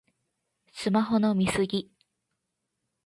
スマホの見過ぎ